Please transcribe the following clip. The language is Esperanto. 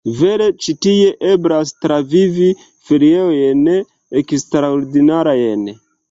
Vere ĉi tie eblas travivi feriojn eksterordinarajn!